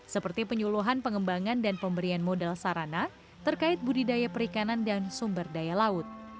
seperti penyuluhan pengembangan dan pemberian modal sarana terkait budidaya perikanan dan sumber daya laut